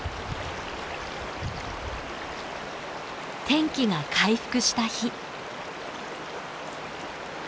天気が回復した日。